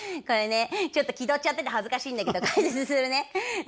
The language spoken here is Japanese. これねちょっと気取っちゃってて恥ずかしいんだけど解説するね。